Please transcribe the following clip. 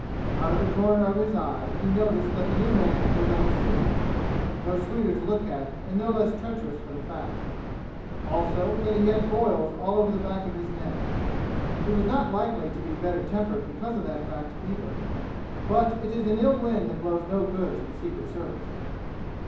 Out of the corner of his eye he noticed that the new man was a Mahsudi no sweeter to look at and no less treacherous for the fact. Also, that he had boils all over the back of his neck. He was not likely to be better tempered because of that fact, either. But it is an ill wind that blows no good to the Secret Service.